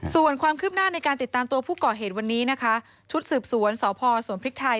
ส่วนความคืบหน้าในการติดตามตัวผู้ก่อเหตุวันนี้นะคะชุดสืบสวนสพสวนพริกไทย